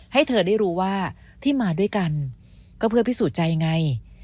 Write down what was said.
ให้เธอได้รู้ว่าที่มาด้วยกันก็เพื่อพิสูจน์ใจไง